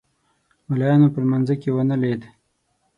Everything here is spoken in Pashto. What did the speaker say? ملایانو په لمانځه کې ونه لید.